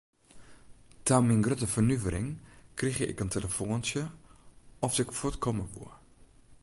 Ta myn grutte fernuvering krige ik in telefoantsje oft ik fuort komme woe.